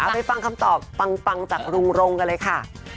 ไปฟังคำตอบปังจากลุงรงกันเลยค่ะ